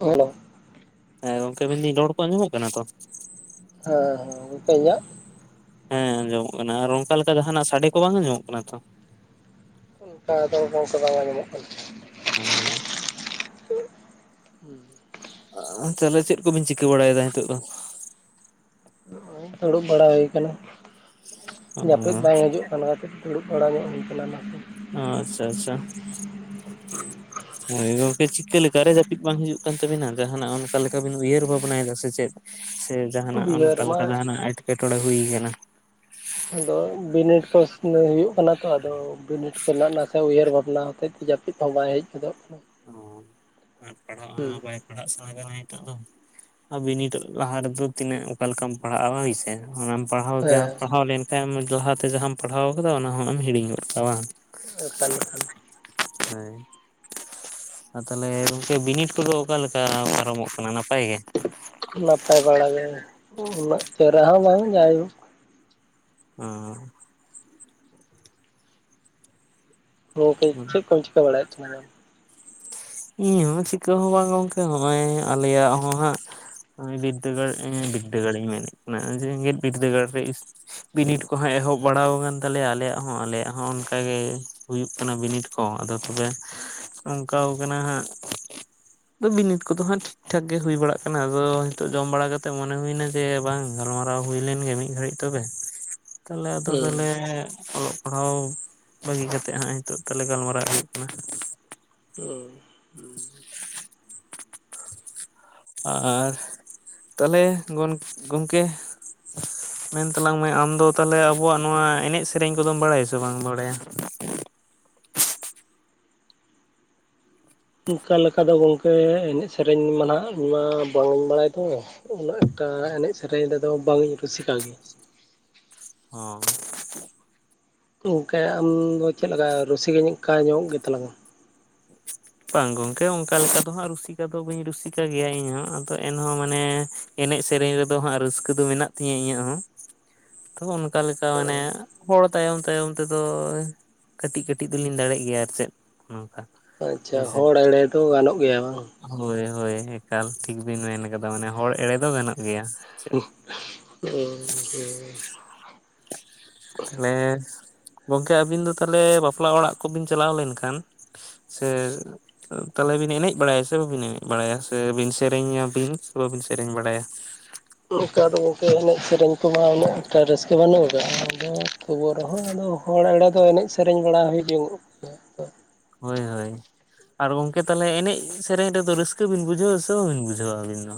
Hello ᱦᱮᱸ ᱜᱚᱝᱠᱮ ᱢᱮᱱᱫᱟᱹᱧ ᱨᱚᱲ ᱠᱚ ᱟᱸᱡᱚᱢᱚᱜ ᱠᱟᱱᱟ ᱛᱚ, ᱦᱮᱸ ᱦᱮᱸ ᱜᱚᱝᱠᱮ ᱤᱧᱟᱹᱜ, ᱦᱮᱸ ᱟᱸᱡᱚᱢᱚᱜ ᱠᱟᱱᱟ ᱟᱨ ᱚᱱᱠᱟ ᱞᱮᱠᱟ ᱡᱟᱸᱦᱟᱱᱟᱜ ᱥᱟᱰᱮ ᱠᱚ ᱵᱟᱝ ᱟᱸᱡᱚᱢᱚᱜ ᱠᱟᱱᱟ ᱛᱚ᱾ ᱚᱱᱠᱟ ᱫᱚ ᱜᱚᱢᱠᱮ ᱵᱟᱝ ᱟᱸᱡᱟᱢᱚᱜ ᱠᱟᱱᱟ ᱦᱮᱸ ᱛᱟᱦᱚᱞᱮ ᱪᱮᱫ ᱠᱚᱵᱤᱱ ᱪᱤᱠᱟᱹ ᱵᱟᱲᱟᱭ ᱮᱫᱟ ᱱᱤᱛᱚᱜ ᱫᱚᱼᱼ ᱱᱚᱜᱼᱚᱭ ᱫᱩᱲᱩᱵ ᱵᱟᱲᱟ ᱦᱩᱭ ᱟᱠᱟᱱᱟ ᱡᱟᱹᱯᱤᱫ ᱵᱟᱝ ᱦᱤᱡᱩᱜᱼᱼ ᱚᱱᱟ ᱛᱮ ᱫᱩᱲᱩᱵ ᱵᱟᱲᱟ ᱧᱚᱜ ᱦᱩᱭ ᱠᱟᱱᱟ ᱚᱱᱟ ᱛᱮᱼᱼ ᱟᱪᱪᱷᱟ ᱟᱪᱪᱷᱟ᱾ ᱦᱳᱭ ᱜᱚᱢᱠᱮ ᱪᱤᱠᱟᱹ ᱞᱮᱠᱟᱨᱮ ᱡᱟᱹᱯᱤᱫ ᱵᱟᱝ ᱦᱤᱡᱩᱜ ᱠᱟᱱ ᱛᱟᱹᱵᱤᱱᱟ ᱡᱟᱦᱟᱸᱱᱟᱜ ᱚᱱᱠᱟ ᱞᱮᱠᱟ ᱵᱤᱱ ᱩᱭᱦᱟᱹᱨ ᱵᱷᱟᱵᱽᱱᱟᱭᱫᱟ ᱥᱮ ᱪᱮᱫ? ᱥᱮ ᱡᱟᱦᱟᱸᱱᱟᱜ ᱩᱭᱦᱟᱹᱨ ᱢᱟ ᱚᱱᱠᱟᱱᱟᱜ ᱚᱱᱟ ᱮᱴᱠᱮᱴᱚᱬᱮ ᱦᱩᱭ ᱠᱟᱱᱟ? ᱟᱫᱚ ᱵᱤᱱᱤᱰ ᱠᱚ ᱦᱩᱭᱩᱜ ᱠᱟᱱᱟ ᱛᱚ ᱟᱫᱚ ᱵᱤᱱᱤᱰ ᱠᱚᱨᱮ ᱱᱟᱥᱮ ᱩᱭᱦᱟᱹᱨ ᱵᱷᱟᱵᱽᱱᱟ ᱦᱚᱛ ᱛᱮ ᱡᱟ [unintelligible] ᱵᱟᱝ ᱦᱮᱡ ᱜᱚᱫᱚᱜ ᱠᱟᱱᱟ, ᱚ ᱟᱨ ᱯᱟᱲᱦᱟᱜᱼᱟ ᱦᱩᱸ ᱦᱚᱸ ᱵᱟᱭ ᱯᱟᱲᱦᱟᱜ ᱥᱟᱱᱟ ᱠᱟᱱᱟ ᱱᱤᱛᱚᱜ ᱫᱚ ᱟᱵᱤᱱᱤᱴ ᱞᱟᱦᱟ ᱨᱮᱫᱚ ᱛᱤᱱᱟᱹᱜ ᱚᱠᱟ ᱞᱮᱠᱟᱢ ᱯᱟᱲᱦᱟᱜᱼᱟ ᱦᱳᱭᱥᱮ᱾ ᱚᱱᱟᱢ ᱯᱟᱲᱦᱟᱣ ᱡᱟᱢ ᱦᱮᱸ ᱯᱟᱲᱦᱟᱣ ᱞᱮᱱᱠᱷᱟᱡ ᱫᱚᱲᱦᱟᱛᱮ ᱡᱟᱦᱟᱸᱟᱢ ᱯᱟᱲᱦᱟᱣ ᱠᱟᱫᱟ ᱚᱱᱟ ᱦᱚᱸᱢ ᱦᱤᱲᱤᱧ ᱜᱚᱫ ᱠᱟᱣᱟ ᱵᱟᱝ᱾ ᱮᱠᱟᱞ ᱮᱠᱟᱞ᱾ ᱦᱳᱭ ᱟᱨ ᱛᱟᱦᱚᱞᱮ ᱜᱚᱢᱠᱮ ᱵᱤᱱᱤᱰ ᱠᱚᱫᱚ ᱚᱠᱟᱞᱮᱠᱟ ᱯᱟᱨᱚᱢᱚᱜ ᱠᱟᱱᱟ ᱱᱟᱯᱟᱭ ᱜᱮ? ᱱᱟᱯᱟᱭ ᱵᱟᱲᱟ ᱜᱮ, ᱩᱱᱟᱹᱜ ᱪᱮᱦᱨᱟ ᱦᱚᱸ ᱵᱟᱝ ᱡᱟᱭᱦᱳᱠ ᱚᱸ᱾ ᱜᱚᱢᱠᱮ ᱪᱮᱫ ᱠᱚ ᱪᱤᱠᱟᱹ ᱵᱟᱲᱟᱭᱮᱫ ᱛᱟᱞᱟᱝᱼᱟ? ᱤᱧ ᱦᱚᱸ ᱪᱤᱠᱟᱹ ᱦᱚᱸ ᱵᱟᱝ ᱜᱚᱝᱠᱮ ᱱᱚᱜᱼᱚᱭ ᱟᱞᱮᱭᱟᱜ ᱦᱚᱸ ᱦᱟᱸᱜ ᱩᱸ ᱵᱤᱨᱫᱫᱟᱹᱜᱟᱲ ᱵᱤᱨᱫᱫᱟᱹᱜᱟᱲ ᱤᱧ ᱢᱮᱱᱮᱫ ᱠᱟᱱᱟ ᱡᱮᱜᱮᱫ ᱵᱤᱨᱫᱫᱟᱹᱜᱟᱲ ᱤᱥ ᱵᱤᱱᱤᱰ ᱠᱚᱦᱚᱸ ᱮᱦᱚᱵ ᱵᱟᱲᱟ ᱠᱟᱱ ᱛᱟᱞᱮᱭᱟ ᱟᱞᱮᱭᱟᱜ ᱦᱚᱸ ᱟᱞᱮᱭᱟᱜ ᱦᱚᱸ ᱚᱱᱠ ᱜᱮ ᱦᱩᱭᱩᱜ ᱠᱟᱱᱟ ᱵᱤᱱᱤᱰ ᱠᱚ ᱟᱫᱚ ᱛᱚᱦᱞᱮ ᱚᱝᱠᱟ ᱠᱟᱱᱟ ᱦᱟᱸᱜ ᱟᱫᱚ ᱵᱤᱱᱤᱰ ᱠᱚᱫᱚ ᱦᱟᱸᱜ ᱴᱷᱤᱠ ᱴᱷᱟᱠ ᱜᱮ ᱦᱩᱭ ᱵᱟᱲᱟᱜ ᱠᱟᱱᱟ ᱟᱫᱚ ᱱᱤᱛᱚᱜ ᱡᱚᱢ ᱵᱟᱲᱟ ᱠᱟᱛᱮᱫ ᱢᱚᱱᱮ ᱦᱩᱭᱱᱟ ᱡᱮ ᱵᱟᱝ ᱜᱟᱞᱢᱟᱨᱟᱣ ᱦᱩᱭ ᱞᱮᱱ ᱜᱮ ᱢᱤᱫ ᱜᱷᱟᱹᱲᱤᱡ ᱛᱚᱵᱮ᱾ [inaudible] ᱛᱟᱦᱚᱞᱮ ᱟᱫᱚ ᱦᱩᱸ ᱛᱚᱞᱮ ᱚᱞᱚᱜ ᱯᱟᱲᱦᱟᱣ ᱵᱟᱹᱜᱤ ᱠᱟᱛᱮᱜ ᱦᱟᱸᱜᱼᱟᱭ ᱱᱤᱛᱳᱜ ᱛᱟᱦᱞᱮ ᱜᱟᱞᱢᱟᱨᱟᱣ ᱦᱩᱭᱩᱜ ᱠᱟᱱᱟ᱾ ᱦᱚᱸ᱾ [inaudible] ᱟᱨ ᱛᱟᱦᱞᱮ ᱜᱚᱱ ᱜᱚᱝᱠᱮ ᱢᱮᱱ ᱛᱟᱞᱟᱝ ᱢᱮ ᱟᱢᱫᱚ ᱛᱟᱦᱚᱞᱮ ᱟᱵᱚᱣᱟᱜ ᱱᱚᱣᱟ ᱮᱱᱮᱡ ᱥᱮᱨᱮᱧ ᱠᱚᱫᱚᱢ ᱵᱟᱲᱟᱭᱟᱥᱮ ᱵᱟᱝ ᱵᱟᱲᱟᱭᱟ? ᱚᱝᱠᱟ ᱞᱮᱠᱟ ᱫᱚ ᱜᱚᱝᱠᱮ ᱮᱱᱮᱡ ᱥᱮᱨᱮᱧ ᱢᱟ ᱱᱟᱦᱟᱸᱜ ᱤᱧ ᱢᱟ ᱵᱟᱹᱧ ᱤᱧ ᱵᱟᱲᱟᱭ ᱛᱚᱵᱮ᱾ ᱩᱱᱟᱹᱜ ᱮᱠᱴᱟ ᱮᱱᱮᱡ ᱥᱮᱨᱮᱧ ᱨᱮᱫᱚ ᱵᱟᱝ ᱤᱧ ᱨᱩᱥᱤᱠᱟ ᱜᱮᱭᱟ᱾ ᱚᱸ᱾ ᱜᱚᱝᱠᱮ ᱟᱢᱫᱚ ᱪᱮᱫ ᱞᱮᱠᱟ ᱨᱩᱥᱤ ᱠᱟ ᱧᱚᱜ ᱜᱮᱛᱟᱞᱟᱝ ᱟᱢ? [inaudible] ᱵᱟᱝ ᱜᱚᱝᱠᱮ ᱚᱱᱠᱟ ᱞᱮᱠᱟ ᱫᱚ ᱦᱟᱸᱜ ᱨᱩᱥᱤᱠᱟ ᱫᱚ ᱵᱟᱹᱧ ᱨᱩᱥᱤᱠᱟ ᱜᱮᱭᱟ ᱤᱧᱦᱚᱸ ᱟᱫᱚ ᱮᱱᱦᱚᱸ ᱢᱟᱱᱮ ᱮᱱᱮᱡ ᱥᱮᱨᱮᱧ ᱨᱮᱫᱚ ᱦᱟᱸᱜ ᱨᱟᱹᱥᱠᱟᱹ ᱫᱚ ᱢᱮᱱᱟᱜ ᱛᱤᱧᱟᱹ ᱤᱧᱟᱹᱜ ᱦᱚᱸ, ᱛᱚ ᱚᱱᱠᱟ ᱞᱮᱠᱟ ᱢᱟᱱᱮ ᱦᱚᱲ ᱛᱟᱭᱚᱢ ᱛᱟᱭᱚᱢ ᱛᱮᱫᱚ ᱠᱟᱹᱴᱤᱡ ᱠᱟᱹᱴᱤᱡ ᱫᱚᱞᱤᱧ ᱫᱟᱲᱮᱜ ᱜᱮᱭᱟ ᱟᱨ ᱪᱮᱫ ᱱᱚᱝᱠᱟ᱾ ᱟᱪᱪᱷᱟ, ᱦᱳᱭᱥᱮ ᱦᱚᱲ ᱮᱲᱮ ᱫᱚ ᱜᱟᱱᱚᱜ ᱜᱮᱭᱟ ᱵᱟᱝ? ᱦᱳᱭ ᱦᱳᱭ ᱮᱠᱟᱞ, ᱴᱷᱤᱠ ᱵᱤᱱ ᱢᱮᱱ ᱠᱟᱫᱟ ᱢᱟᱱᱮ ᱦᱚᱲ ᱮᱲᱮ ᱫᱚ ᱜᱟᱱᱚᱜ ᱜᱮᱭᱟ᱾ ᱪᱮᱫ ᱦᱚᱸ ᱦᱮᱸ᱾ ᱛᱟᱦᱚᱞᱮ ᱜᱚᱝᱠᱮ ᱟᱹᱵᱤᱱ ᱫᱚ ᱛᱟᱦᱚᱞᱮ ᱵᱟᱯᱞᱟ ᱚᱲᱟᱜ ᱠᱚᱵᱤᱱ ᱪᱟᱞᱟᱣ ᱞᱮᱱᱠᱷᱟᱱ ᱥᱮ ᱛᱟᱦᱚᱞᱮ ᱵᱤᱱ ᱮᱱᱮᱡ ᱵᱟᱲᱟᱭᱟ ᱥᱮ ᱵᱟᱵᱤᱱ ᱮᱱᱮᱡ ᱵᱟᱲᱟᱭᱟ ᱥᱮ ᱵᱤᱱ ᱥᱮᱨᱮᱧᱟᱵᱤᱱ ᱥᱮ ᱵᱟᱵᱤᱱ ᱥᱮᱨᱮᱧ ᱵᱟᱲᱟᱭᱟ? ᱚᱱᱠᱟ ᱫᱚ ᱜᱚᱝᱠᱮ ᱮᱱᱮᱡ ᱥᱮᱨᱮᱧ ᱠᱚᱢᱟ ᱩᱱᱟᱹᱜ ᱮᱠᱴᱟ ᱨᱟᱹᱥᱠᱟᱹ ᱵᱟᱹᱱᱩᱜ ᱠᱟᱫᱜᱼᱟ, ᱟᱫᱚ ᱛᱩᱵᱚ ᱨᱮᱦᱚᱸ ᱟᱫᱚ ᱦᱚᱲ ᱮᱲᱮ ᱫᱚ ᱮᱱᱮᱡ ᱥᱮᱨᱮᱧ ᱵᱟᱲᱟ ᱦᱩᱭᱚᱜ ᱜᱮᱭᱟ᱾ ᱦᱳᱭ ᱦᱳᱭ᱾ ᱟᱨ ᱜᱚᱝᱠᱮ ᱛᱟᱦᱚᱞᱮ ᱮᱱᱮᱡ ᱥᱮᱨᱮᱧ ᱨᱮᱫᱚ ᱨᱟᱹᱥᱠᱟᱹ ᱵᱤᱱ ᱵᱩᱡᱷᱟᱹᱣᱟ ᱥᱮ ᱵᱟᱵᱤᱱ ᱵᱩᱡᱷᱟᱹᱣᱟ ᱟᱹᱵᱤᱱ ᱫᱚ?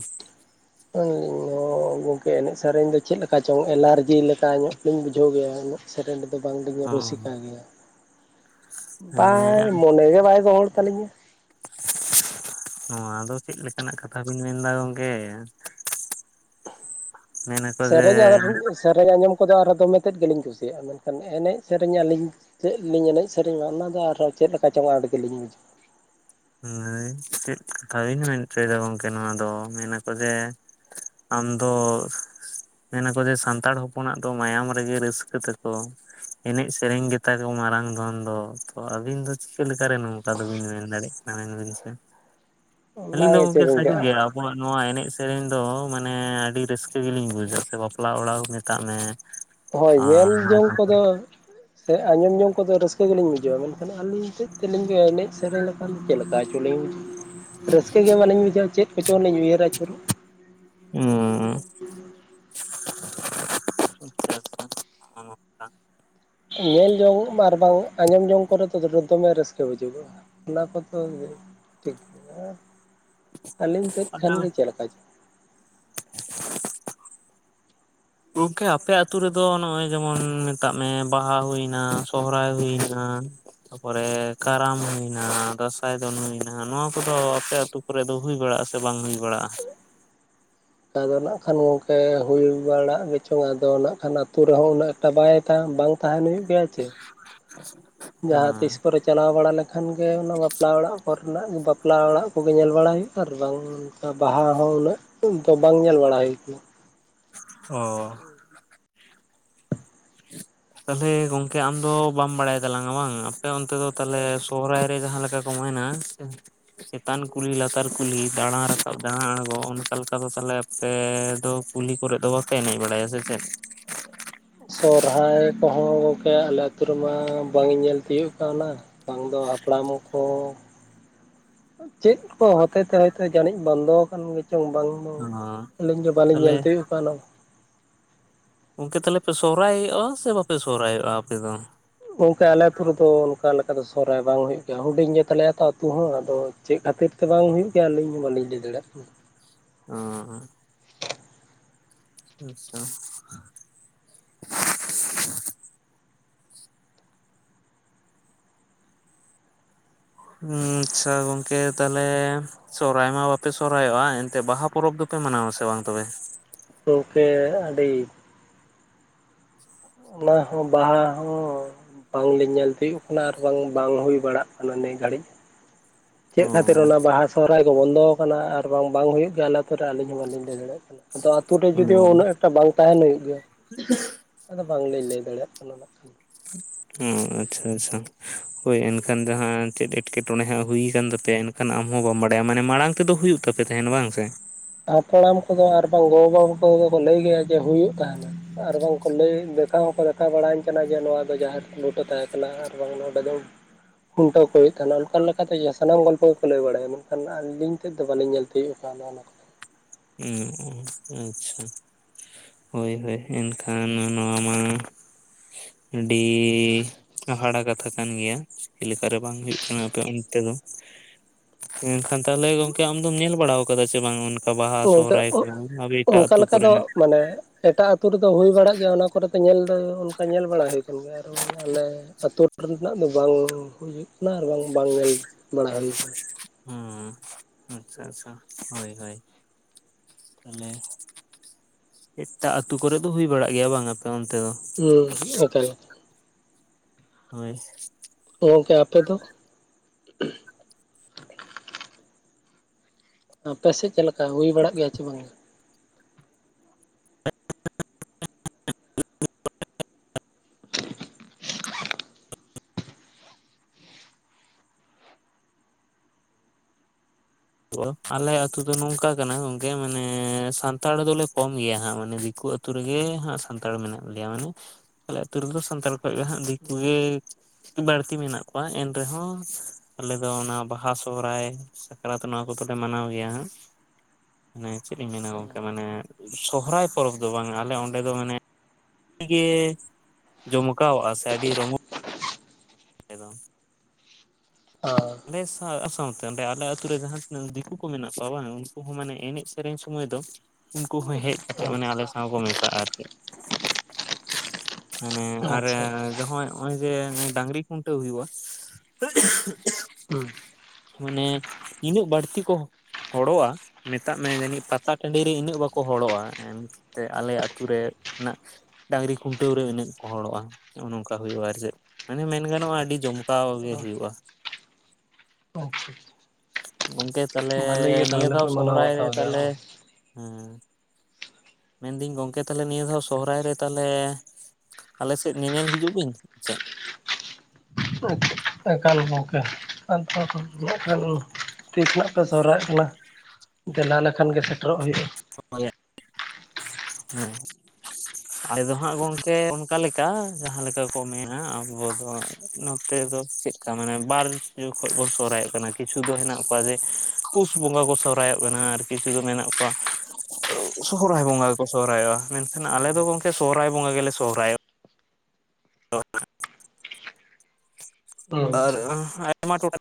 ᱟᱹᱞᱤᱧ ᱦᱚᱸ ᱜᱚᱢᱠᱮ ᱮᱱᱮᱡ ᱥᱮᱨᱮᱧ ᱫᱚ ᱪᱮᱫ ᱞᱮᱠᱟ ᱪᱚᱝ ᱮᱞᱟᱨᱡᱤ ᱞᱮᱠᱟ ᱧᱚᱜ ᱞᱤᱧ ᱵᱩᱡᱷᱟᱹᱣ ᱜᱮᱭᱟ ᱩᱱᱟᱹᱜ᱾ ᱥᱮᱸᱨᱮᱧ ᱨᱮ ᱫᱚ ᱵᱟᱝᱞᱤᱧ ᱚ ᱨᱩᱥᱤᱠᱟ ᱜᱮᱭᱟ᱾ ᱢᱟᱱᱮ ᱵᱟᱭ ᱢᱚᱱᱮ ᱜᱮ ᱵᱟᱭ ᱜᱚᱦᱚᱲ ᱛᱟᱞᱤᱧᱟ ᱾ ᱱᱚᱣᱟ ᱫᱚ ᱪᱮᱫ ᱞᱮᱠᱟ ᱱᱟᱜ ᱠᱟᱛᱷᱟ ᱵᱤᱱ ᱢᱮᱱᱫᱟ ᱜᱚᱢᱠᱮ᱾ ᱥᱮᱸᱨᱮᱧ ᱟᱨ ᱨᱩᱜ ᱥᱮᱸᱨᱮᱧ ᱟᱸᱡᱚᱢ ᱠᱚᱫᱚ ᱟᱨ ᱫᱚᱢᱮ ᱛᱮᱫ ᱜᱮᱞᱤᱧ ᱠᱩᱥᱤᱭᱟᱜᱼᱟ᱾ ᱮᱱᱮᱡ ᱥᱮᱸᱨᱮᱧ ᱟᱹᱞᱤᱧ ᱪᱮᱫᱞᱤᱧ ᱮᱱᱮᱡ ᱥᱮᱨᱮᱧᱟ ᱚᱱᱟᱫᱚ ᱟᱨᱦᱚᱸ ᱪᱮᱫ ᱞᱮᱠᱟ ᱪᱚᱝ ᱟᱸᱴ ᱜᱮᱞᱤᱧ ᱵᱩᱡᱟ᱾ ᱪᱮᱫ ᱠᱟᱦᱤᱱᱤ ᱢᱮᱱᱛᱮ ᱫᱚ ᱜᱚᱢᱠᱮ ᱱᱚᱣᱟ ᱫᱚ ᱢᱮᱱ ᱟᱠᱚ ᱡᱮᱼᱼ ᱟᱢ ᱫᱚᱼᱼ ᱢᱮᱱᱟᱠᱚ ᱡᱮ ᱥᱟᱱᱛᱟᱲ ᱦᱚᱯᱚᱱᱟᱜ ᱫᱚ ᱢᱟᱭᱟᱢ ᱨᱮᱜᱮ ᱨᱟᱹᱥᱠᱟᱹ ᱛᱟᱠᱚ᱾ ᱮᱱᱮᱡ ᱥᱮᱸᱨᱮᱧ ᱜᱮᱛᱟ ᱠᱚ ᱢᱟᱨᱟᱝ ᱫᱷᱚᱱ ᱫᱚ ᱛᱚ ᱟᱹᱵᱤᱱ ᱫᱚ ᱪᱤᱠᱟᱹᱞᱮᱠᱟᱨᱮ ᱱᱚᱝᱠᱟ ᱫᱩᱵᱤᱱ ᱢᱮᱱ ᱫᱟᱲᱟᱹᱜ ᱟᱵᱤᱱ ᱪᱮᱫ ᱟᱹᱞᱤᱧ ᱫᱚ ᱚᱱᱟᱜᱮ ᱪᱮᱫ ᱜᱚᱝᱠᱮ ᱵᱤᱱ ᱥᱟᱹᱨᱤ ᱪᱤᱠᱟᱹᱜᱼᱟ ᱜᱮᱭᱟᱢ᱾ ᱦᱜᱚᱭ ᱱᱚᱣᱟ ᱮᱱᱮᱡ ᱥᱮᱸᱨᱮᱧ ᱫᱚ ᱢᱟᱱᱮ ᱟᱹᱰᱤ ᱨᱟᱹᱥᱠᱟᱹ ᱜᱮᱞᱤᱧ ᱵᱩᱡᱟ ᱥᱮ ᱵᱟᱯᱞᱟ ᱚᱲᱟᱜ ᱢᱮᱛᱟᱜ ᱢᱮ᱾ ᱦᱳᱭ ᱧᱮᱞ ᱟᱨ ᱡᱚᱝ ᱛᱟᱯᱚᱨᱮ ᱠᱚᱫᱚ ᱥᱮ ᱟᱸᱡᱚᱢ ᱡᱚᱝ ᱠᱚᱫᱚ ᱨᱟᱹᱥᱠᱟᱹ ᱜᱮᱞᱤᱧ ᱵᱩᱡᱷᱟᱹᱣᱟ ᱢᱮᱱᱼᱼ ᱟᱹᱞᱤᱧ ᱥᱮᱫ ᱛᱮ ᱞᱤᱧ ᱮᱱᱮᱡ ᱥᱮᱸᱨᱮᱧ ᱞᱮᱠᱷᱟᱱ ᱪᱮᱫ ᱞᱮᱠᱟ ᱪᱩᱞᱤᱧᱼᱼ ᱨᱟᱹᱥᱠᱟᱹ ᱜᱮ ᱵᱟᱹᱞᱤᱧ ᱵᱩᱡᱷᱟᱹᱣ ᱪᱮᱫ ᱠᱚᱪᱚ ᱞᱤᱧ ᱩᱭᱦᱟᱹᱨ ᱟᱪᱩᱨ᱾ ᱚᱻ ᱟᱪᱪᱷᱟ [unintelligible] ᱧᱮᱞ ᱡᱚᱝ ᱟᱨ ᱵᱟᱝ ᱟᱸᱡᱚᱢ ᱡᱚᱝ ᱠᱚᱨᱮ ᱫᱚ ᱫᱚᱢᱮ ᱨᱟᱹᱥᱠᱟᱹ ᱵᱩᱡᱚᱜᱚᱜᱼᱟ᱾ ᱚᱱᱟ ᱠᱚᱫᱚ ᱴᱷᱤᱠ ᱜᱮ ᱟᱹᱞᱤᱧ ᱥᱮᱫ ᱠᱷᱟᱱ ᱛᱟᱦᱚᱞᱮ ᱜᱮ ᱪᱮᱫᱮ ᱞᱮᱠᱟ ᱪᱚ᱾ [unintelligible] ᱜᱚᱢᱠᱮ ᱟᱯᱮ ᱟᱛᱩ ᱨᱮᱫᱚ ᱱᱚᱜᱼᱚᱭ ᱡᱮᱢᱚᱱ ᱢᱮᱛᱟᱜ ᱢᱮ ᱵᱟᱦᱟ ᱦᱩᱭᱱᱟ ᱥᱚᱦᱨᱟᱭ ᱦᱩᱭᱱᱟ᱾ ᱛᱟᱯᱚᱨᱮ ᱠᱟᱨᱟᱢ ᱦᱩᱭ ᱱᱟ ᱫᱟᱸᱥᱟᱭ ᱫᱚᱱ ᱦᱩᱭ ᱱᱟ ᱱᱚᱣᱟ ᱠᱚᱫᱚ ᱟᱯᱮ ᱟᱹᱛᱩ ᱨᱮ ᱫᱚ ᱦᱩᱭ ᱵᱟᱲᱟᱜᱼᱟ ᱥᱮ ᱵᱟᱝ ᱦᱩᱭ ᱵᱟᱲᱟᱜᱼᱟ? ᱟᱫᱚ ᱱᱟᱜ ᱠᱷᱟᱱ ᱜᱚᱢᱠᱮ ᱦᱩᱭ ᱵᱟᱲᱟᱜ ᱜᱮᱪᱚᱝ ᱟᱫᱚ ᱱᱟᱜ ᱠᱷᱟᱱ ᱟᱛᱳ ᱨᱮᱦᱚᱸ ᱩᱱᱟᱹᱜ ᱛᱟ ᱵᱟᱭ ᱛᱟᱝ ᱵᱟᱝ ᱛᱟᱦᱮᱱ ᱦᱩᱭᱩᱜ ᱜᱮᱭᱟ ᱪᱮ᱾ ᱡᱟᱦᱟᱸ ᱦᱮᱸ ᱛᱤᱥ ᱠᱚᱨᱮᱜ ᱪᱟᱞᱟᱣ ᱵᱟᱲᱟ ᱞᱮᱠᱷᱟᱱ ᱜᱮ ᱚᱱᱟ ᱵᱟᱯᱞᱟ ᱚᱲᱟᱜ ᱠᱚᱨᱮᱱᱟᱜ ᱵᱟᱯᱞᱟ ᱚᱲᱟᱜ ᱠᱚᱜᱮ ᱧᱮᱞ ᱵᱟᱲᱟ ᱦᱩᱭᱩᱜᱼᱟ ᱟᱨ ᱵᱟᱝ ᱵᱟᱦᱟ ᱦᱚᱸ ᱩᱱᱟᱹᱜ ᱫᱚ ᱵᱟᱝ ᱧᱮᱞ ᱵᱟᱲᱟ ᱦᱩᱭ ᱠᱟᱱᱟ᱾ ᱚᱸᱻ ᱛᱟᱦᱞᱮ ᱜᱚᱢᱠᱮ ᱟᱢ ᱫᱚ ᱵᱟᱢ ᱵᱟᱲᱟᱭ ᱛᱟᱞᱟᱝᱼᱟ ᱵᱟᱝ ᱟᱯᱮ ᱚᱱᱛᱮ ᱫᱚ ᱛᱟᱦᱞᱮ ᱥᱚᱦᱨᱟᱭ ᱨᱮ ᱡᱟᱦᱟᱸ ᱞᱮᱠᱟ ᱠᱚ ᱢᱮᱱᱟ ᱪᱮᱛᱟᱱ ᱠᱩᱞᱦᱤ ᱞᱟᱛᱟᱨ ᱠᱩᱞᱦᱤ ᱫᱟᱲᱟ ᱨᱟᱠᱟᱵ ᱫᱟᱲᱟ ᱟᱲᱜᱚ ᱚᱱᱠᱟ ᱞᱮᱠᱟ ᱫᱚ ᱛᱟᱞᱦᱮ ᱯᱮ ᱫᱚ ᱠᱩᱞᱤ ᱠᱚᱨᱮ ᱫᱚ ᱵᱟᱯᱮ ᱮᱱᱮᱡ ᱵᱟᱲᱟᱭᱟ ᱥᱮ ᱪᱮᱫ᱾ ᱥᱚᱨᱦᱟᱭ ᱠᱚᱦᱚᱸ ᱜᱚᱢᱠᱮ ᱟᱞᱮ ᱟᱹᱛᱳ ᱨᱮᱢᱟ ᱵᱟᱝ ᱤᱧ ᱧᱮᱞ ᱛᱤᱭᱳᱜ ᱠᱟᱣᱱᱟ᱾ ᱵᱟᱝ ᱫᱚ ᱦᱟᱯᱲᱟᱢ ᱠᱚ ᱪᱮᱫ ᱠᱚ ᱦᱚᱛᱮ ᱛᱮ ᱦᱚᱭᱛᱚ ᱡᱟᱹᱱᱤᱡ ᱵᱚᱱᱫᱚ ᱟᱠᱟᱱ ᱜᱮ ᱪᱚᱝ ᱵᱟᱝ ᱦᱩᱸ ᱚ ᱟᱹᱞᱤᱧ ᱜᱮ ᱵᱟᱹᱞᱤᱧ ᱛᱟᱦᱚᱞᱮ ᱧᱮᱞ ᱛᱤᱭᱳᱜ ᱠᱟᱣᱱᱟ᱾ ᱜᱚᱢᱠᱮ ᱛᱟᱦᱞᱮ ᱯᱮ ᱥᱚᱨᱦᱟᱭᱚᱜᱼᱟ ᱥᱮ ᱵᱟᱯᱮ ᱥᱚᱨᱦᱟᱭᱚᱜᱼᱟ ᱟᱯᱮ ᱫᱚ? ᱜᱚᱢᱠᱮ ᱟᱞᱮ ᱟᱛᱳ ᱨᱮᱫᱚ ᱚᱱᱠᱟ ᱞᱮᱠᱟ ᱫᱚ ᱥᱚᱨᱦᱟᱭ ᱵᱟᱝ ᱦᱩᱭᱩᱜ ᱜᱮᱭᱟ ᱦᱩᱰᱤᱧ ᱜᱮᱛᱟᱞᱮᱭᱟ ᱛᱚ ᱟᱹᱛᱩ ᱦᱚᱸ ᱟᱫᱚ ᱪᱮᱫ ᱠᱷᱟᱹᱛᱤᱨ ᱛᱮ ᱵᱟᱝ ᱦᱩᱭᱩᱜ ᱜᱮᱭᱟ ᱟᱹᱞᱤᱧ ᱵᱟᱞᱤᱧ ᱞᱟᱹᱭ ᱫᱟᱲᱮᱭᱟᱜ ᱠᱟᱱᱟ᱾ ᱚᱸ ᱦᱚᱸᱜ ᱟᱪᱪᱷᱟ ᱩᱸ ᱟᱪᱪᱷᱟ ᱜᱚᱢᱠᱮ ᱛᱟᱦᱞᱮ ᱻ ᱥᱚᱨᱦᱟᱭ ᱢᱟ ᱵᱟᱯᱮ ᱥᱚᱨᱦᱟᱭᱚᱜᱼᱟ ᱮᱱ ᱛᱮ ᱵᱟᱦᱟ ᱯᱚᱨᱚᱵᱽ ᱫᱚᱯᱮ ᱢᱟᱱᱟᱣ ᱟᱥᱮ ᱵᱟᱝ ᱛᱚᱵᱮ? ᱜᱚᱢᱠᱮ ᱟᱹᱰᱤ ᱚᱱᱟ ᱦᱚᱸ ᱵᱟ ᱦᱚᱸ ᱵᱟᱝ ᱞᱤᱧ ᱧᱮᱞ ᱛᱤᱭᱩᱜ ᱱᱟ ᱟᱨ ᱵᱟᱝ ᱵᱟᱝ ᱦᱩᱭ ᱵᱟᱲᱟᱜ ᱠᱟᱱᱟ ᱱᱮᱹ ᱜᱷᱟᱹᱲᱤᱡ ᱾ ᱪᱮᱫ ᱠᱷᱟᱹᱛᱤᱨ ᱚ ᱚᱱᱟ ᱵᱟᱦᱟ ᱥᱚᱨᱦᱟᱭ ᱠᱚ ᱵᱚᱱᱫᱚ ᱠᱟᱱᱟ ᱟᱨ ᱵᱟᱝ ᱵᱟᱝ ᱦᱩᱭᱩᱜ ᱜᱮᱭᱟ ᱟᱞᱮ ᱛᱚ ᱨᱮ ᱟᱹᱞᱤᱧ ᱦᱚᱸ ᱵᱟᱹᱞᱤᱧ ᱞᱟᱹᱭ ᱫᱟᱲᱮᱭᱟᱜ ᱠᱟᱱᱟ, ᱟᱫᱚ ᱟᱹᱛᱳ ᱨᱮ ᱡᱩᱫᱤ ᱦᱩᱸ ᱩᱱᱟᱹᱜ ᱮᱠᱴᱟ ᱵᱟᱝ ᱛᱟᱦᱮᱸᱱ ᱦᱩᱭᱩᱜ ᱜᱮᱭᱟ ᱟᱫᱚ ᱵᱟᱝ ᱞᱤᱧ ᱞᱟᱹᱭ ᱫᱟᱲᱮᱭᱟᱜ ᱠᱟᱱᱟ ᱱᱟᱜ ᱠᱷᱟᱱ᱾ ᱩᱸ ᱟᱪᱪᱷᱟ ᱟᱪᱪᱷᱟ᱾ ᱦᱳᱭ ᱮᱱᱠᱷᱟᱱ ᱡᱟᱦᱟᱸ ᱪᱮᱫ ᱮᱴᱠᱮᱴᱚᱱᱮ ᱦᱟᱸᱜ ᱦᱩᱭ ᱠᱟᱱ ᱛᱟᱯᱮᱭᱟ ᱮᱱᱠᱷᱟᱱ ᱟᱢᱦᱚᱸ ᱵᱟᱢ ᱵᱟᱲᱟᱭᱟ ᱢᱟᱱᱮ ᱢᱟᱲᱟᱝ ᱛᱮᱫᱚ ᱦᱩᱭᱩᱜ ᱛᱚᱯᱮ ᱛᱟᱦᱮᱸᱱ ᱵᱟᱝ ᱥᱮ? ᱦᱟᱯᱲᱟᱢ ᱠᱚᱫᱚ ᱟᱨ ᱵᱟᱝ ᱜᱚ, ᱵᱟ ᱠᱚᱫᱚ ᱠᱚ ᱞᱟᱹᱭ ᱜᱮᱭᱼᱟ ᱡᱮ ᱦᱩᱭᱩᱜ ᱛᱟᱦᱮᱸᱱᱟ᱾ ᱟᱨ ᱵᱟᱝᱠᱚ ᱞᱟᱹᱭ ᱫᱮᱠᱷᱟᱣ ᱦᱚᱸᱠᱚ ᱫᱮᱠᱷᱟᱣ ᱵᱟᱲᱟᱭᱟᱹᱧ ᱠᱟᱱᱟ ᱡᱮ ᱱᱚᱣᱼᱟ ᱫᱚ ᱡᱟᱦᱮᱨ ᱵᱩᱴᱟᱹ ᱛᱟᱦᱮᱸ ᱠᱟᱱᱟ᱾ ᱟᱨ ᱵᱟᱝ ᱱᱚᱰᱮ ᱫᱚ ᱠᱷᱩᱱᱴᱟᱹᱣ ᱠᱚ ᱛᱟᱞᱮ ᱚᱱᱠᱟ ᱞᱮᱠᱟᱛᱮ ᱡᱟ ᱥᱟᱱᱟᱢ ᱜᱚᱞᱯᱚ ᱜᱮᱠᱚ ᱞᱟᱹᱭ ᱵᱟᱲᱟᱭᱼᱟ, ᱢᱮᱱᱠᱷᱟᱱ ᱟᱹᱞᱤᱧ ᱛᱮᱫ ᱫᱚ ᱵᱟᱞᱤᱧ ᱧᱮᱞ ᱛᱤᱭᱳᱜ ᱠᱟᱜ ᱱᱚᱜ ᱱᱚᱠᱟ, ᱦᱩᱸ ᱟᱪᱪᱷᱟ᱾ ᱦᱳᱭ ᱦᱳᱭ, ᱮᱱᱠᱷᱟᱱ ᱱᱚᱣᱟ ᱢᱟ ᱰᱤ ᱦᱟᱦᱟᱲᱟ ᱠᱟᱛᱷᱟ ᱠᱟᱱ ᱜᱮᱭᱟ ᱪᱤᱞᱤᱠᱟᱨᱮ ᱵᱟᱝ ᱦᱩᱭᱩᱜ ᱠᱟᱱᱟ ᱟᱯᱮ ᱚᱱᱛᱮ ᱫᱚ ᱢᱮᱱᱠᱷᱟᱱ ᱛᱟᱦᱞᱮ ᱜᱚᱝᱠᱮ ᱟᱢᱫᱚᱢ ᱧᱮᱞ ᱵᱟᱲᱟᱣ ᱠᱟᱫᱟ ᱥᱮ ᱵᱟᱝ ᱚᱱ ᱛᱚ ᱜᱚᱝᱠᱮ ᱚᱝᱠᱟ ᱞᱮᱠᱟ ᱫᱚ ᱠᱚᱨᱮᱱᱟᱜ? ᱢᱟᱱᱮ ᱮᱴᱟᱜ ᱟᱹᱛᱩ ᱨᱮᱫᱚ ᱦᱩᱭ ᱵᱟᱲᱟᱜ ᱜᱮᱭᱟ ᱚᱱᱟ ᱠᱚᱨᱮ ᱫᱚ ᱧᱮᱞ ᱫᱚ ᱚᱱᱠᱟ ᱧᱮᱞ ᱵᱟᱲᱟ ᱦᱩᱭ ᱠᱟᱱ ᱜᱮᱭᱟ, ᱟᱨ ᱚᱝ ᱟᱞᱮ ᱟᱛᱳ ᱨᱮᱱᱟᱜ ᱫᱚ ᱵᱟᱝ ᱦᱩᱭᱩᱜ ᱠᱟᱱᱟ, ᱟᱨ ᱵᱟᱝ ᱵᱟᱝ ᱧᱮᱞ ᱵᱟᱲᱟ ᱦᱩᱭ ᱠᱟᱱᱟ᱾ ᱦᱩᱸ ᱟᱪᱪᱷᱟ ᱟᱪᱪᱷᱟ ᱦᱳᱭ ᱦᱳᱭ᱾ ᱛᱟᱦᱞᱮ ᱮᱴᱟᱜ ᱟᱹᱛᱩ ᱠᱚᱨᱮ ᱫᱚ ᱦᱩᱭ ᱵᱟᱲᱟᱜ ᱜᱮᱭᱟ ᱵᱟᱝᱟ ᱟᱯᱮ ᱚᱱᱛᱮ ᱫᱚ? ᱦᱩᱸ ᱮᱠᱟᱞ ᱦᱳᱭ᱾ ᱜᱚᱢᱠᱮ ᱟᱯᱮ ᱫᱚ? ᱟᱯᱮᱥᱮᱫ ᱪᱮᱫᱞᱮᱠᱟ ᱦᱩᱭ ᱵᱟᱲᱟᱜ ᱜᱮᱭᱟ ᱪᱮ ᱵᱟᱝᱼᱟ? [inaudible] ᱟᱞᱮ ᱟᱛᱩ ᱫᱚ ᱱᱚᱝᱠᱟ ᱠᱟᱱᱟ ᱜᱚᱝᱠᱮ ᱢᱟᱱᱮ ᱥᱟᱱᱛᱟᱲ ᱫᱚᱞᱮ ᱠᱚᱢ ᱜᱮᱭᱟ ᱦᱟᱸᱜ ᱢᱟᱱᱮ ᱫᱤᱠᱩ ᱟ ᱛᱩ ᱨᱮᱜᱮ ᱦᱟᱸᱜ ᱥᱟᱱᱛᱟᱲ ᱢᱮᱱᱟᱜ ᱞᱮᱭᱟ, ᱢᱟᱱᱮ ᱟᱞᱮ ᱟᱛᱩ ᱨᱮᱫᱚ ᱥᱟᱱᱛᱟᱲ ᱠᱷᱚᱡ ᱜᱮ ᱦᱟᱸᱜ ᱫᱤᱠᱩ ᱜᱮ ᱵᱟᱹᱲᱛᱤ ᱢᱮᱱᱟᱜ ᱠᱚᱣᱟ, ᱮᱱᱨᱮᱦᱚᱸ ᱟᱞᱮ ᱫᱚ ᱚᱱᱟ ᱵᱟᱦᱟ ᱥᱚᱦᱚᱨᱟᱭ ᱥᱟᱠᱨᱟᱛ ᱱᱚᱣᱟ ᱠᱚᱫᱚᱼᱞᱮ ᱢᱟᱱᱟᱣ ᱜᱮᱭᱟ ᱦᱟᱸᱜ ᱢᱟᱱᱮ ᱪᱮᱫ ᱤᱧ ᱢᱮᱱᱟ ᱚ ᱜᱚᱝᱠᱮ ᱢᱟᱱᱮ ᱥᱚᱦᱚᱨᱟᱭ ᱯᱚᱨᱚᱵ ᱫᱚ ᱵᱟᱝ ᱟᱞᱮ ᱚᱸᱰᱮ ᱫᱚ ᱢᱟᱱᱮ ᱟᱹᱰᱤ ᱜᱮ ᱡᱚᱢᱠᱟᱣᱜ ᱟ ᱥᱮ ᱟᱹᱰᱤ ᱨᱚᱢᱚ ᱠᱮ ᱫᱚᱝ ᱚ᱾ ᱚᱸᱰᱮ ᱥᱟᱶ ᱥᱟᱶᱛᱮ ᱚᱸᱰᱮ ᱟᱞᱮ ᱟᱛᱩᱨ ᱨᱮ ᱡᱟᱦᱟᱸ ᱛᱤᱱᱟᱹᱜ ᱫᱤᱠᱩ ᱠᱚ ᱢᱮᱱᱟᱜ ᱠᱚᱣᱟ ᱵᱟᱝ ᱩᱱᱠᱩ ᱦᱚᱸ ᱢᱟᱱᱮ ᱮᱱᱮᱡ ᱥᱮᱨᱮᱧ ᱥᱚᱢᱚᱭ ᱫᱚ ᱩᱱᱠᱩ ᱦᱚᱸ ᱦᱮᱡ ᱠᱟᱛᱮᱜ ᱢᱟᱱᱮ ᱟᱞᱮ ᱥᱟᱶ ᱠᱚ ᱢᱮᱥᱟᱜᱼᱟ ᱟᱨᱠᱤ᱾ ᱢᱟᱱᱮ ᱟᱨᱮ ᱟᱪᱪᱷᱟ ᱡᱚᱦᱚᱸᱭ ᱱᱚᱜᱼᱚᱭ ᱡᱮ ᱰᱟᱺᱝᱨᱤ ᱠᱷᱩᱱᱴᱟᱹᱣ ᱦᱩᱭᱩᱜᱼᱟ ᱦᱩᱸ᱾ ᱢᱟᱱᱮ ᱱᱤᱱᱟᱹᱜ ᱵᱟᱹᱲᱛᱤ ᱠᱚ ᱦᱚᱲᱚᱜᱼᱟ ᱢᱮᱛᱟᱜ ᱢᱮ ᱡᱟᱹᱱᱤᱡ ᱯᱟᱛᱟ ᱴᱟᱺᱰᱤ ᱨᱮ ᱤᱱᱟᱹᱜ ᱵᱟᱠᱚ ᱦᱚᱲᱚᱜᱼᱟ, ᱮᱱᱛᱮ ᱟᱞᱮ ᱟᱹᱛᱩ ᱨᱮᱱᱟᱜ ᱰᱟᱺᱝᱨᱤ ᱠᱷᱩᱱᱴᱟᱹᱣ ᱨᱮ ᱤᱱᱟᱹᱜ ᱠᱚ ᱦᱚᱲᱚᱜᱼᱟ᱾ ᱚᱱᱚ ᱚᱝᱠᱟ ᱦᱩᱭᱩᱜᱼᱟ ᱟᱨ ᱪᱮᱫ ᱢᱟᱱᱮ ᱢᱮᱱ ᱜᱟᱱᱚᱜᱼᱟ ᱟᱹᱰᱤ ᱡᱚᱢᱠᱟᱣ ᱜᱮ ᱦᱩᱭᱩᱜᱼᱟ᱾ ᱟᱪᱪᱷᱟ [inaudible] ᱜᱚᱝᱠᱮ ᱛᱟᱦᱞᱮ ᱵᱷᱟᱞᱮ ᱜᱮ ᱱᱤᱭᱟᱹ ᱛᱟᱦᱚᱞᱮ ᱫᱷᱟᱣ ᱯᱮ ᱢᱟᱱᱟᱣ ᱥᱚᱦᱚᱨᱟᱭ ᱨᱮ ᱵᱟᱛᱟᱣ ᱜᱮᱭᱟ ᱛᱟᱦᱞᱮ ᱵᱟᱝ? ᱢᱮᱱᱫᱟᱹᱧ ᱜᱚᱝᱠᱮ ᱛᱟᱦᱮ ᱱᱤᱭᱟᱹ ᱫᱷᱟᱣ ᱥᱚᱦᱚᱨᱟᱭ ᱨᱮ ᱛᱟᱦᱚᱞᱮ ᱟᱞᱮᱥᱮᱫ ᱧᱮᱧᱮᱞ ᱦᱤᱡᱩᱜ ᱵᱤᱱ ᱥᱮᱫ ᱮᱠᱟᱞ ᱜᱚᱢᱠᱮ ᱮᱠᱟᱱ ᱛᱤᱥ ᱱᱟᱜ ᱯᱮ ᱥᱚᱦᱨᱟᱭᱚᱜ ᱠᱟᱱᱟ ᱫᱮᱞᱟ ᱞᱮᱠᱷᱟᱱ ᱜᱮ ᱥᱮᱴᱮᱨᱚᱜ ᱦᱩᱭᱩᱜᱼᱟ᱾ ᱦᱮᱸ ᱟᱞᱮ ᱫᱚ ᱦᱟᱸᱜ ᱜᱚᱝᱠᱮ ᱚᱱᱠᱟ ᱞᱮᱠᱟ ᱡᱟᱦᱟᱸ ᱞᱮᱠᱟ ᱠᱚ ᱢᱮᱱᱟ ᱟᱵᱚ ᱫᱚ ᱱᱚᱛᱮ ᱫᱚ ᱪᱮᱫᱠᱟ ᱢᱟᱱᱮ ᱵᱟᱨ ᱡᱚᱠᱷᱚᱡ ᱵᱚᱱ ᱥᱚᱦᱨᱟᱭᱚᱜ ᱠᱟᱱᱟ ᱠᱤᱪᱷᱩ ᱫᱚ ᱦᱮᱱᱟᱜ ᱠᱚᱣᱟ ᱡᱮ ᱯᱩᱥ ᱵᱚᱸᱜᱟ ᱠᱚ ᱥᱚᱦᱨᱟᱭᱚᱜ ᱠᱟᱱᱟ ᱟᱨ ᱠᱤᱪᱷᱩ ᱫᱚ ᱢᱮᱱᱟᱜ ᱠᱚᱣᱟ ᱥᱚᱨᱦᱟᱭ ᱵᱚᱸᱜᱟ ᱜᱮᱠᱚ ᱥᱚᱨᱦᱟᱭᱚᱜᱼᱟ, ᱢᱮᱱᱠᱷᱟᱱ ᱟᱞᱮ ᱫᱚ ᱜᱚᱝᱠᱮ ᱥᱚᱨᱦᱟᱭ ᱵᱚᱸᱜᱟ ᱜᱮᱞᱮ ᱥᱚᱨᱚᱦᱟᱭᱚᱜᱼᱟ ᱾ ᱚ [unintelligible] ᱟᱨ ᱟᱭᱢᱟ ᱴᱚᱴᱷᱟᱼᱼ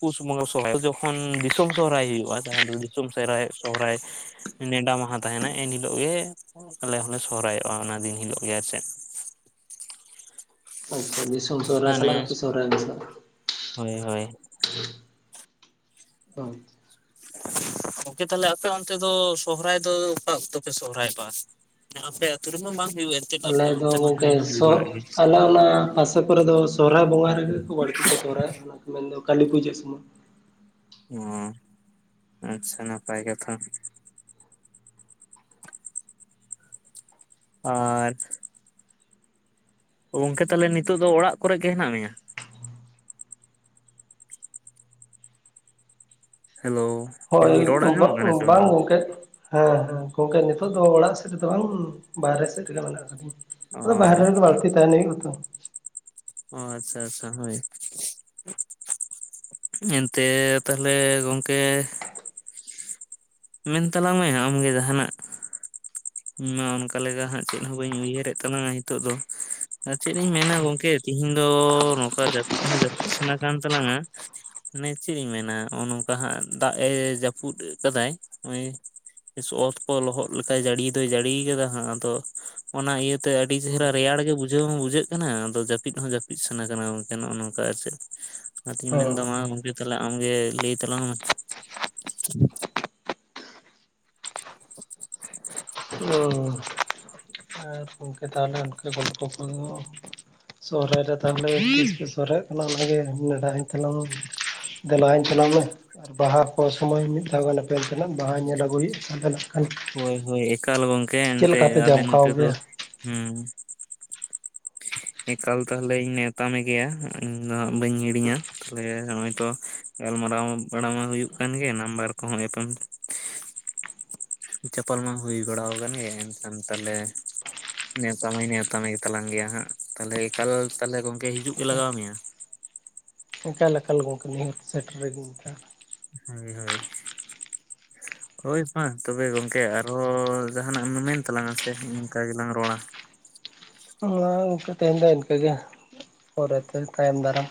ᱯᱩᱥ ᱵᱚᱸᱜᱟ ᱥᱚᱦᱨᱟᱭ, ᱚᱠᱟ ᱡᱚᱠᱷᱚᱱ ᱫᱤᱥᱚᱢ ᱥᱚᱦᱨᱟᱭ ᱦᱩᱭᱩᱜᱼᱟ ᱛᱚ ᱫᱚ ᱫᱤᱥᱚᱢ ᱥᱚᱨᱦᱟᱭ ᱥᱚᱦᱨᱟᱭ ᱾ ᱱᱮᱰᱟ ᱢᱟᱦᱟ ᱛᱟᱦᱮᱱᱟ ᱮᱱᱦᱤᱞᱳᱜ ᱜᱮ ᱼᱼ ᱟᱞᱮ ᱦᱚᱸᱞᱮ ᱥᱚᱦᱨᱟᱭᱚᱜᱼᱟ ᱚᱱᱟ ᱫᱤᱱ ᱦᱤᱞᱳᱜ ᱜᱮ ᱟᱨ ᱪᱮᱫ ᱾ ᱟᱪᱪᱷᱟ, ᱫᱤᱥᱚᱢ ᱥᱚᱨᱦᱟᱭ ᱢᱟᱱᱮ ᱥᱟᱞᱟᱜ ᱟᱯᱮ ᱥᱚᱦᱨᱟᱭ ᱫᱚᱦᱚ ᱠᱟᱜᱼᱟ᱾ ᱦᱳᱭ ᱦᱳᱭ ᱾ ᱟᱪᱪᱷᱟ᱾ [inaudible] ᱜᱚᱝᱠᱮ ᱛᱟᱦᱚᱞᱮ ᱟᱯᱮ ᱚᱱᱛᱮ ᱫᱚ ᱥᱚᱦᱚᱨᱟᱭ ᱫᱚ ᱚᱠᱟ ᱚᱠᱛᱚ ᱯᱮ ᱥᱚᱦᱚᱨᱟᱭ ᱫᱚ ᱟᱯᱮ? ᱛᱩᱨᱢ [unintelligible] ᱢ ᱟᱞᱮ ᱫᱚ ᱦᱩᱭᱩᱜᱮ ᱛᱟᱯᱚᱨᱮ ᱫᱚ ᱥᱚᱦᱨᱟᱭ ᱵᱚᱸᱜᱟ ᱨᱮ ᱜᱮ ᱵᱟᱹᱲᱛᱤ ᱠᱚ ᱥᱚᱦᱨᱟᱭ ᱚᱱᱟ ᱠᱚ ᱢᱮᱱ ᱫᱚ ᱠᱟᱹᱞᱤ ᱯᱩᱡᱟᱹ ᱥᱚᱢᱚᱭ ᱾ ᱚ ᱟᱪᱪᱷᱟ, ᱱᱟᱯᱟᱭ ᱠᱟᱛᱷᱟ ᱾ ᱟᱨ ᱜᱚᱝᱠᱮ ᱛᱟᱦᱚᱞᱮ ᱱᱤᱛᱚᱜ ᱫᱚ ᱚᱲᱟᱜ ᱠᱚᱨᱮ ᱜᱮ ᱦᱮᱱᱟᱜ ᱢᱮᱭᱟ? ᱦᱮᱞᱳ ᱾ ᱦᱳᱭ, ᱵᱟᱝ ᱜᱚᱝᱠᱮ ᱾ ᱦᱮᱸ ᱦᱮᱸ, ᱜᱚᱝᱠᱮ ᱱᱤᱛᱚᱜ ᱫᱚ ᱚᱲᱟᱜ ᱥᱮᱫ ᱨᱮ ᱫᱚ ᱵᱟᱝ ᱵᱟᱦᱨᱮ ᱥᱮᱫ ᱨᱮ ᱜᱮ ᱢᱮᱱᱟᱜ ᱟᱠᱟᱫᱤᱧ ᱾ ᱟᱫᱚ ᱵᱟᱦᱨᱮ ᱨᱮᱫᱚ ᱵᱟᱲᱛᱤ ᱛᱟᱦᱮᱱ ᱦᱩᱭᱩᱜᱼᱟ ᱛᱚ ᱾ ᱚ ᱟᱪᱪᱷᱟ ᱟᱪᱪᱷᱟ ᱦᱳᱭ ᱾ ᱮᱱᱛᱮ ᱛᱟᱦᱚᱞᱮ ᱜᱚᱝᱠᱮ, ᱢᱮᱱ ᱛᱟᱞᱟᱝ ᱢᱮ ᱟᱢ ᱜᱮ ᱡᱟᱦᱟᱸᱱᱟᱜ ᱾ ᱤᱧ ᱢᱟ ᱚᱱᱠᱟ ᱞᱮᱠᱟ ᱦᱟᱸᱜ ᱪᱮᱫ ᱦᱚᱸ ᱵᱟᱹᱧ ᱩᱭᱦᱟᱹᱨᱮᱫ ᱛᱟᱞᱟᱝᱟ ᱱᱤᱛᱚᱜ ᱫᱚ ᱟᱨ ᱪᱮᱫ ᱤᱧ ᱢᱮᱱᱟ ᱜᱚᱝᱠᱮ ᱾ ᱛᱤᱦᱤᱧ ᱫᱚ ᱱᱚᱝᱠᱟ ᱡᱟᱹᱯᱤᱫ ᱦᱚᱸ ᱡᱟᱹᱯᱤᱫ ᱥᱟᱱᱟ ᱠᱟᱱ ᱛᱟᱞᱟᱝᱼᱟ ᱾ ᱢᱟᱱᱮ ᱪᱮᱫ ᱤᱧ ᱢᱮᱱᱟ ᱱᱚᱜᱼᱚᱭ ᱱᱚᱝᱠᱟ ᱦᱟᱸᱜ ᱫᱟᱜ ᱮ ᱡᱟᱹᱯᱩᱫ ᱟᱠᱟᱫᱟᱭ ᱱᱚᱜᱼᱚᱭᱼᱼ ᱚᱛ ᱠᱚ ᱞᱚᱦᱚᱫ ᱞᱮᱠᱟᱭ ᱡᱟᱹᱲᱤ ᱫᱚᱭ ᱡᱟᱹᱲᱤ ᱠᱟᱫᱟ ᱦᱟᱸᱜ ᱟᱫᱚᱼᱼ ᱚᱱᱟ ᱤᱭᱟᱹᱛᱮ ᱟᱹᱰᱤ ᱪᱮᱦᱨᱟ ᱨᱮᱭᱟᱲ ᱜᱮ ᱵᱩᱡᱷᱟᱹᱣ ᱦᱚᱸ ᱵᱩᱡᱷᱟᱹᱜ ᱠᱟᱱᱟ, ᱟᱫᱚ ᱡᱟᱹᱯᱤᱫ ᱦᱚᱸ ᱡᱟᱹᱯᱤᱫ ᱥᱟᱱᱟ ᱠᱟᱱᱟ ᱜᱚᱝᱠᱮ ᱱᱚᱜᱼᱚᱭ ᱱᱚᱝᱠᱟ ᱟᱨ ᱪᱮᱫ ᱾ ᱚᱱᱟᱛᱤᱧ ᱢᱮᱱᱫᱟ ᱢᱟ ᱜᱚᱝᱠᱮ ᱛᱟᱦᱚᱞᱮ ᱟᱢ ᱜᱮ ᱞᱟᱹᱭ ᱛᱟᱞᱟᱝ ᱢᱮ ᱾ ᱛᱚ [inaudible] ᱦᱮᱸ ᱟᱨ ᱜᱚᱝᱠᱮ ᱛᱟᱦᱚᱞᱮ ᱩᱱᱠᱟ ᱜᱚᱞᱯᱚ ᱠᱚ ᱫᱚᱼᱼ ᱥᱚᱦᱨᱟᱭ ᱨᱮ ᱛᱟᱦᱚᱞᱮ ᱛᱤᱥ ᱥᱚᱨᱚᱦᱟᱭᱚᱜ ᱠᱟᱱᱟ ᱚᱱᱟ ᱜᱮ ᱱᱮᱰᱟᱧ ᱛᱟᱞᱟᱝ ᱢᱮ ᱾ ᱫᱮᱞᱟ ᱦᱟᱧ ᱛᱟᱞᱟᱨᱮ ᱢᱮ ᱵᱟᱦᱟ ᱠᱚ ᱥᱚᱢᱚᱭ ᱢᱤᱫ ᱫᱷᱟᱹᱣ ᱧᱮᱯᱮᱞ ᱛᱮᱱᱟᱜ ᱵᱟᱦᱟᱧ ᱧᱮᱞ ᱟᱹᱜᱩᱭᱼᱟ᱾ ᱟᱵᱮᱱᱟ ᱾ ᱦᱳᱭ ᱦᱳᱭ, ᱮᱠᱟᱞ ᱜᱚᱝᱠᱮ, ᱮᱱᱛᱮ ᱞᱮᱠᱟ ᱯᱮ ᱟᱞᱮ ᱡᱟᱢᱠᱟᱣ ᱱᱚᱛᱮ ᱫᱚ ᱜᱮᱭᱟ ᱦᱮᱸ ᱾ [inaudible] ᱮᱠᱟᱞ ᱛᱟᱦᱞᱮᱧ ᱱᱮᱶᱛᱟ ᱢᱮ ᱜᱮᱭᱟ ᱾ ᱤᱧ ᱫᱚ ᱦᱟᱜ ᱵᱟᱹᱧ ᱦᱤᱲᱤᱧᱟ ᱾ ᱛᱟᱦᱞᱮ ᱱᱚᱜᱼᱚᱭ ᱛᱚᱼᱼ ᱜᱟᱞᱢᱟᱨᱟᱣ ᱵᱟᱲᱟ ᱢᱟ ᱦᱩᱭᱩᱜ ᱠᱟᱱ ᱜᱮ, ᱱᱟᱢᱵᱟᱨ ᱠᱚᱦᱚᱸ ᱮᱯᱮᱢᱼᱼ ᱪᱟᱯᱟᱞ ᱢᱟ ᱦᱩᱭ ᱵᱟᱲᱟ ᱟᱠᱟᱱ ᱜᱮ, ᱮᱱᱠᱷᱟᱱ ᱛᱟᱦᱞᱮᱼᱼ ᱱᱮᱶᱛᱟ ᱢᱟ ᱱᱮᱶᱛᱟ ᱢᱮ ᱜᱮ ᱛᱟᱞᱟᱝ ᱜᱮᱭᱟ ᱦᱟᱸᱜ ᱾ ᱛᱟᱦᱞᱮ ᱮᱠᱟᱞ ᱛᱟᱦᱚᱞᱮ ᱜᱚᱝᱠᱮ ᱦᱤᱡᱩᱜ ᱜᱮ ᱮᱠᱟᱞ ᱞᱟᱜᱟᱣ ᱢᱮᱭᱟ᱾ ᱮᱠᱟᱞ ᱮᱠᱟᱞ ᱜᱚᱝᱠᱮ ᱱᱤᱦᱟᱛ ᱥᱮᱴᱮᱨ ᱨᱮ ᱜᱤᱧ ᱛᱟᱦᱮᱱᱟ᱾ ᱦᱳᱭ ᱦᱳᱭ᱾ ᱦᱳᱭ ᱢᱟ ᱛᱚᱵᱮ ᱜᱚᱝᱠᱮ ᱟᱨᱦᱚᱸ ᱡᱟᱦᱟᱸᱱᱟᱜ ᱮᱢ ᱢᱮᱱ ᱛᱟᱞᱟᱝᱼᱟ ᱥᱮ ᱱᱤᱱᱤᱝᱠᱟ ᱜᱮᱞᱟᱝ ᱨᱚᱲᱟ᱾ ᱦᱚᱭ ᱛᱤᱦᱤᱧ ᱫᱚ ᱤᱱᱠᱟᱹᱜᱮ ᱯᱚᱨᱮ ᱛᱮ ᱛᱟᱭᱚᱢ ᱫᱟᱨᱟᱢ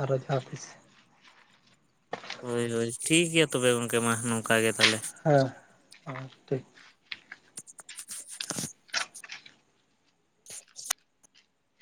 ᱟᱨᱚ ᱡᱟᱦᱟᱸ ᱛᱤᱥ᱾ ᱦᱳᱭ ᱦᱳᱭ, ᱴᱷᱤᱠ ᱜᱮᱭᱟ ᱛᱚᱵᱮ ᱜᱚᱝᱠᱮ ᱢᱟ ᱱᱚᱝᱠᱟ ᱜᱮ ᱛᱟᱦᱚᱞᱮ ᱾ ᱦᱮᱸ, ᱴᱷᱤᱠ᱾